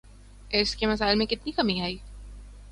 اس کے مسائل میں کتنی کمی آئی؟